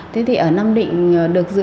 thế thì ở nam định được dự án